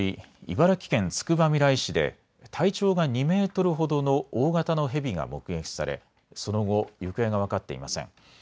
茨城県つくばみらい市で体長が２メートルほどの大型のヘビが目撃され、その後、行方が分かっていません。